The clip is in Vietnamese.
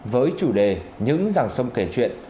với chủ đề những ràng sông kể chuyện